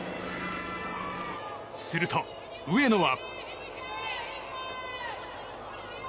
すると、上野は。